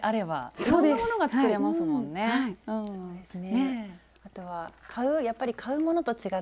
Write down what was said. そうですね。